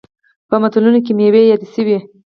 په متلونو کې میوې یادې شوي.